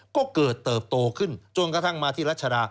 ก็เกิดเติบโตขึ้นจนกระทั่งมาที่รัชดา